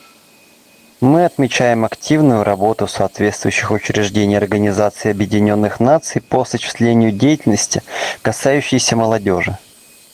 Мы отмечаем активную работу соответствующих учреждений Организации Объединенных Наций по осуществлению деятельности, касающейся молодежи.